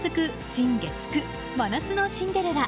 新月９「真夏のシンデレラ」。